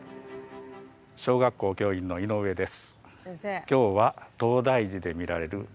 小学校教員の井上です。